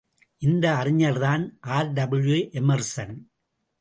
இந்த அறிஞர்தான் R W Emerson.